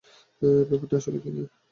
ব্যাপারটা আসলে কী নিয়ে?